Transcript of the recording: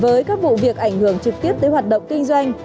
với các vụ việc ảnh hưởng trực tiếp tới hoạt động kinh doanh